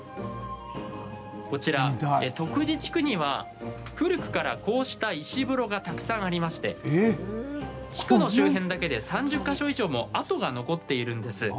こちら徳地地区には古くから、こうした石風呂がたくさんありまして地区の周辺だけで３０か所以上も跡が残っているんです。